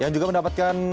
dan juga bisnis k turunan